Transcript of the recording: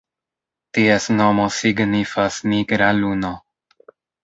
Ties nomo signifas "nigra luno".